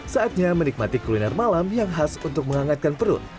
saatnya menikmati kuliner malam yang khas untuk menghangatkan perut